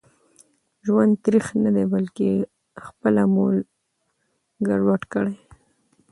ژوند تريخ ندي بلکي خپله مو ګډوډ کړي دي